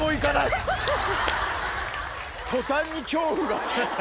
途端に恐怖が。